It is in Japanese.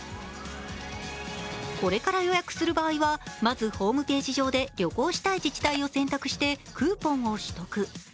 これから予約する場合は、まずホームページ上で旅行したい自治体を選択してクーポンを取得。